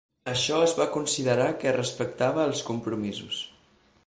Això es va considerar que respectava els compromisos.